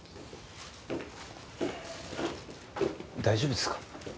大丈夫ですか？